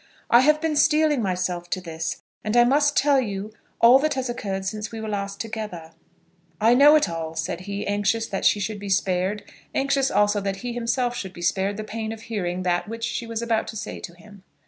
I have been steeling myself to this, and I must tell you all that has occurred since we were last together." "I know it all," said he, anxious that she should be spared; anxious also that he himself should be spared the pain of hearing that which she was about to say to him.